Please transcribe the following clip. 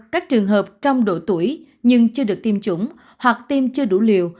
các trường hợp trong độ tuổi nhưng chưa được tiêm chủng hoặc tiêm chưa đủ liều